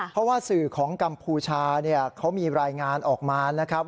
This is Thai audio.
เพราะว่าสื่อของกัมพูชาเขามีรายงานออกมานะครับ